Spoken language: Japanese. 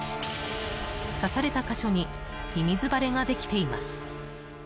刺された箇所にミミズ腫れができています。